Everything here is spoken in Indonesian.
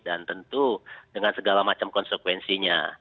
dan tentu dengan segala macam konsekuensinya